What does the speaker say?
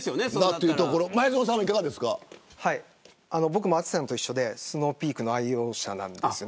僕も淳さんと一緒でスノーピークの愛用者なんです。